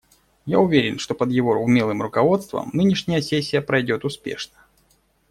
Я уверен, что под его умелым руководством нынешняя сессия пройдет успешно.